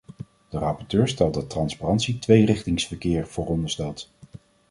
De rapporteur stelt dat transparantie tweerichtingsverkeer vooronderstelt.